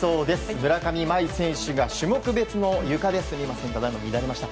村上茉愛選手が種目別のゆかに出ました。